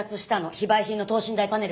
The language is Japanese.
非売品の等身大パネル！